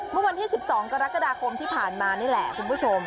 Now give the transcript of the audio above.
เมื่อวันที่๑๒กรกฎาคมที่ผ่านมานี่แหละคุณผู้ชม